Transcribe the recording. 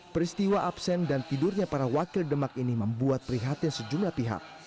peristiwa absen dan tidurnya para wakil demak ini membuat prihatin sejumlah pihak